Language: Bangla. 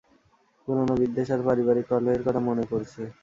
পুরনো বিদ্বেষ আর পারিবারিক কলহের কথা মনে পরছে!